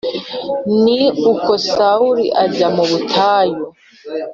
Ni uko Sawuli ajya mu butayu